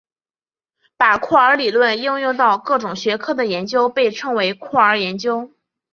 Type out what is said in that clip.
把酷儿理论应用到各种学科的研究被称为酷儿研究。